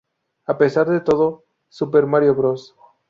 A pesar de todo, "Super Mario Bros.